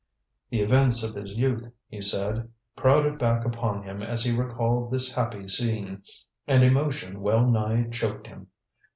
The events of his youth, he said, crowded back upon him as he recalled this happy scene, and emotion well nigh choked him.